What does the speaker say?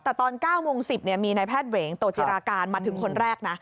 แต่ตอน๙โมง๑๐มีนายแพทย์เหวงโตจิราการมาถึงคนแรกนะ